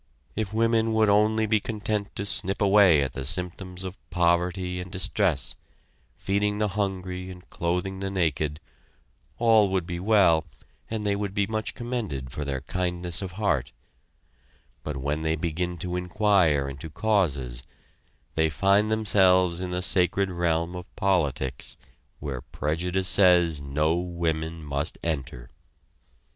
If women would only be content to snip away at the symptoms of poverty and distress, feeding the hungry and clothing the naked, all would be well and they would be much commended for their kindness of heart; but when they begin to inquire into causes, they find themselves in the sacred realm of politics where prejudice says no women must enter.